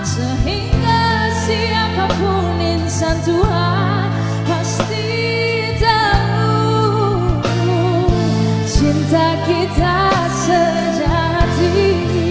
sehingga siapapun ninsa tuhan pasti tahu cinta kita sejati